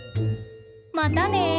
またね！